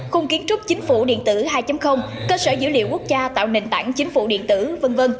khung kiến trúc chính phủ điện tử hai cơ sở dữ liệu quốc gia tạo nền tảng chính phủ điện tử v v